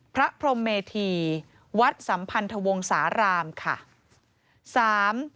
พระพรมเมธีวัดสัมพันธวงศาลามค่ะ